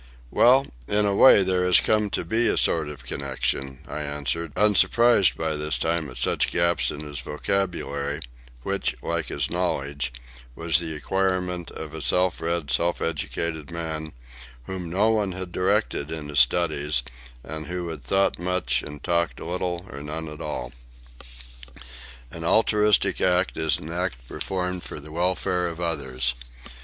"Well, in a way there has come to be a sort of connection," I answered unsurprised by this time at such gaps in his vocabulary, which, like his knowledge, was the acquirement of a self read, self educated man, whom no one had directed in his studies, and who had thought much and talked little or not at all. "An altruistic act is an act performed for the welfare of others.